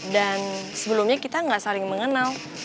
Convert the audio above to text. dan sebelumnya kita gak saling mengenal